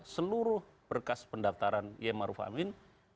seluruh berkas pendaftaran yaimma aruf amin